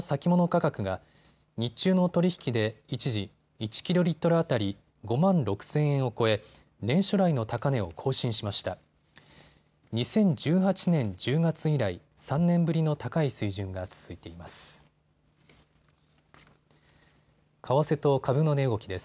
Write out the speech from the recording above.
２０１８年１０月以来３年ぶりの高い水準が続いています。